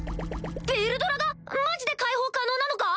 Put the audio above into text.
ヴェルドラが⁉マジで解放可能なのか？